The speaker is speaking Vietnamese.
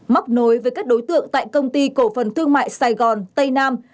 móc nối với các đối tượng tại công ty cổ phần thương mại sài gòn tây nam